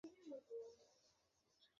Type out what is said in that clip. ও শুধু --- আমি দেখেছি তোমাকে।